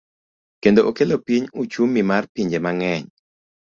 Kendo okelo piny uchumi mar pinje mang'eny.